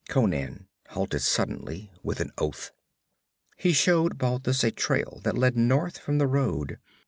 Conan halted suddenly, with an oath. He showed Balthus a trail that led north from the road.